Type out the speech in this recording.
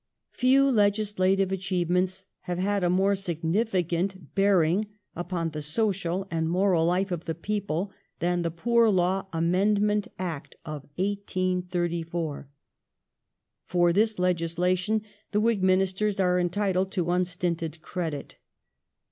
\$.f The new Few legislative achievements have had a more significant bear Poor Law jj^g upon the social and moral life of the people than the Poor Law Amendment Act of 1834. For this legislation the Whig Ministers are entitled to unstinted credit.